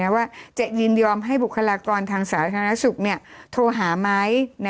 ว่าจะยินยอมให้บุคลากรทางสาธารณสุขโทรหาไหม